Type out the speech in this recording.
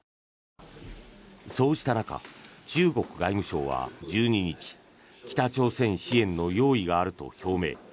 そうした中中国外務省は１２日北朝鮮支援の用意があると表明。